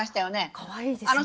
かわいいですね。